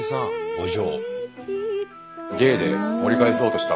お嬢。